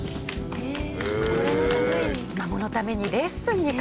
へえ。